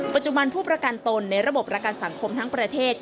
ปัจจุบันผู้ประกันตนในระบบประกันสังคมทั้งประเทศ